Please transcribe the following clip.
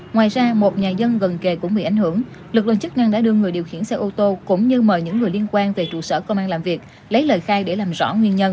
ngoài ra một nhà dân gần kề cũng bị ảnh hưởng lực lượng chức năng đã đưa người điều khiển xe ô tô cũng như mời những người liên quan về trụ sở công an làm việc lấy lời khai để làm rõ nguyên nhân